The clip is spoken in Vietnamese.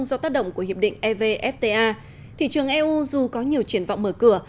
do tác động của hiệp định evfta thị trường eu dù có nhiều triển vọng mở cửa